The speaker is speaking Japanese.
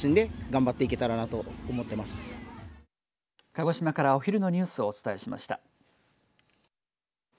鹿児島からお昼のニュースをお伝えしました。